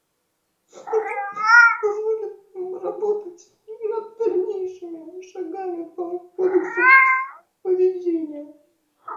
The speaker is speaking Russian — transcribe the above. Это позволит нам работать над дальнейшими шагами по кодексу поведения.